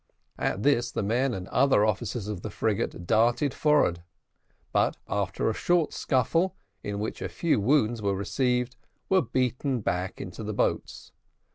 At this the men and other officers of the frigate darted forward; but after a short scuffle, in which a few wounds were received, were beaten back into the boats.